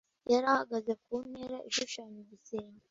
Yari ahagaze ku ntera ishushanya igisenge.